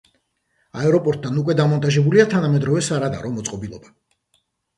აეროპორტთან უკვე დამონტაჟებულია თანამედროვე სარადარო მოწყობილობა.